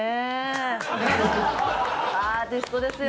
アーティストですよ